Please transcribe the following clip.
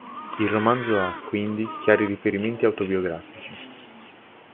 Il romanzo ha, quindi, chiari riferimenti autobiografici.